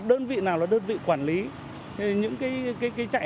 đơn vị nào là đơn vị trực nhiệm